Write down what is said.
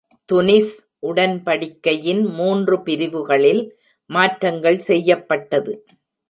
Tunis உடன்படிக்கையின் மூன்று பிரிவுகளில் மாற்றங்கள் செய்யப்பட்டது.